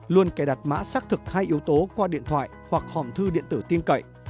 luôn cài đặt mã xác thực hai yếu tố qua điện thoại hoặc hỏng thư điện tử tin cậy